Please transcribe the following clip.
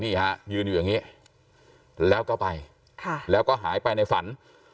นี่ฮะยืนอยู่อย่างนี้แล้วก็ไปแล้วก็หายไปในฝัน